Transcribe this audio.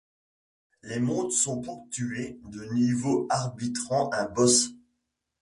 Les mondes sont ponctués de niveaux abritant un boss.